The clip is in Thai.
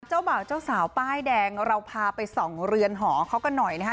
เจ้าบ่าวเจ้าสาวป้ายแดงเราพาไปส่องเรือนหอเขากันหน่อยนะฮะ